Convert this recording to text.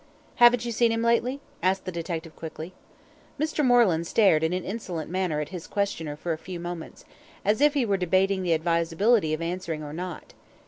"Haven't you seen him lately?" asked the detective quickly. Mr. Moreland stared in an insolent manner at his questioner for a few moments, as if he were debating the advisability of answering or not.